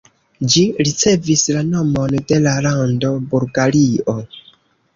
Ĝi ricevis la nomon de la lando Bulgario.